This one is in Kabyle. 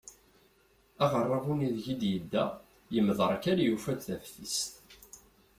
Aɣerabu-nni ideg d-yedda yemderkal yufa-d teftist.